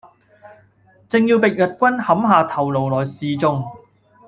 正要被日軍砍下頭顱來示衆，